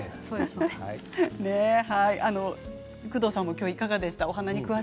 工藤さんも今日いかがでした？